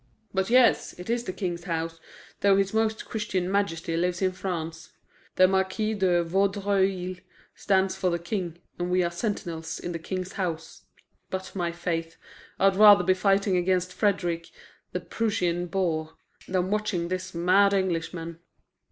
"But yes, it is the King's house, though his Most Christian Majesty lives in France. The Marquis de Vaudreuil stands for the King, and we are sentinels in the King's house. But, my faith, I'd rather be fighting against Frederick, the Prussian boar, than watching this mad Englishman."